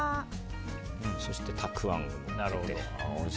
そして、たくあんをのっけて。